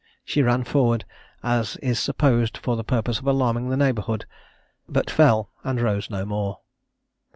She ran forward, as is supposed for the purpose of alarming the neighbourhood, but fell, and rose no more.